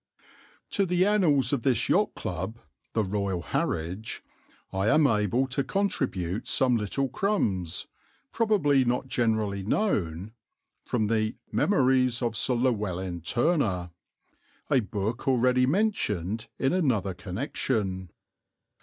To the annals of this Yacht Club (the Royal Harwich) I am able to contribute some little crumbs, probably not generally known, from the Memories of Sir Llewelyn Turner, a book already mentioned in another connection.